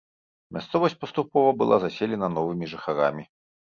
Мясцовасць паступова была заселена новымі жыхарамі.